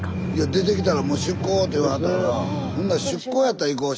出てきたら出港って言わはったからほんなら出港やったら行こうしっこ終わったから。